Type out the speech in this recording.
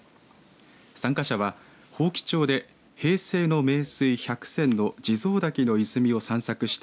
参加者は伯耆町で平成の名水百選の地蔵滝の泉を散策した